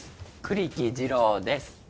栗木次郎です